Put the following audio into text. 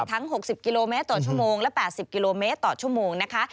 ๖๐กิโลเมตรต่อชั่วโมงและ๘๐กิโลเมตรต่อชั่วโมงนะคะ